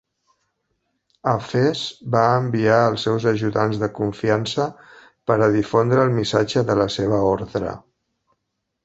A Fes, va enviar als seus ajudants de confiança per a difondre el missatge de la seva ordre.